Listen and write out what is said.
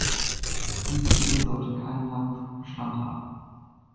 Diese Ehe sollte keine langen Bestand haben.